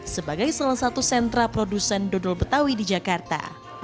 sebagai salah satu sentra produsen dodol betawi di jakarta